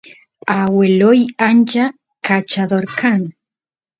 agueloy ancha kachador kan